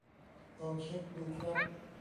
ลองเช็กดูครับ